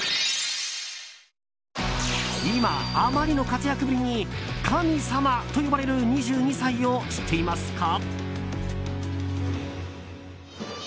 今、あまりの活躍ぶりに神様と呼ばれる２２歳を知っていますか。